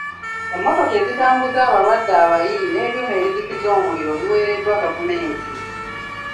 Emmotoka ezitambuza abalwadde abayi n'ebyuma ebizikiza omuliro biweereddwa gavumenti.